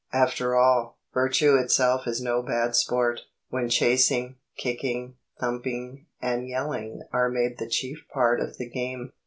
After all, virtue itself is no bad sport, when chasing, kicking, thumping, and yelling are made the chief part of the game.